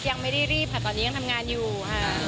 ยังไม่ได้รีบค่ะตอนนี้ยังทำงานอยู่ค่ะ